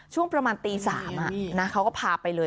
ช่วงประมาณตี๓เขาก็พาไปเลย